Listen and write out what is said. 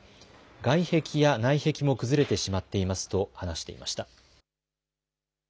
外壁や内壁も崩れてしまっていますと話していました。